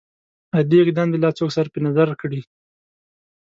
عادي اقدام دې لا څوک صرف نظر کړي.